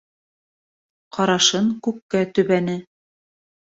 Ҡарашын күккә төбәне.